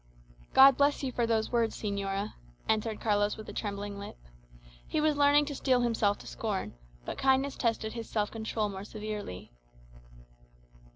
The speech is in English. "God bless you for those words, señora," answered Carlos with a trembling lip. He was learning to steel himself to scorn; but kindness tested his self control more severely.